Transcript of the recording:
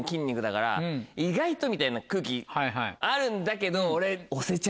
「意外と」みたいな空気あるんだけど俺。